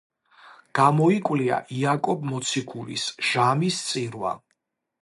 გამოიკვლია იაკობ მოციქულის „ჟამის წირვა“.